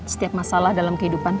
setiap masalah dalam kehidupan